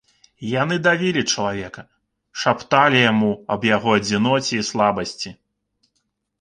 Яны давілі чалавека, шапталі яму аб яго адзіноце і слабасці.